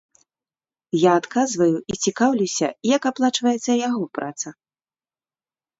Я адказваю і цікаўлюся, як аплачваецца яго праца.